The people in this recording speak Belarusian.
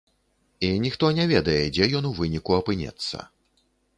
І ніхто не ведае, дзе ён у выніку апынецца.